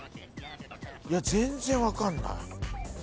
全然分かんない。